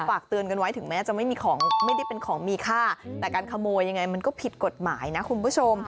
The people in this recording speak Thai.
ฝากเตือนกันไว้ถึงแม้จะไม่มีของไม่ได้เป็นของมีค่าแต่การขโมยยังไงมันก็ผิดกฎหมายนะคุณผู้ชม